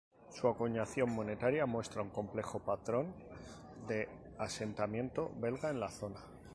Su acuñación monetaria muestra un complejo patrón de asentamiento belga en la zona.